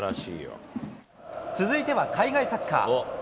続いては海外サッカー。